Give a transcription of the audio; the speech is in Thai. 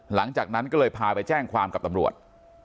หลังจากนั้นก็เลยพาไปแจ้งความกับตำรวจ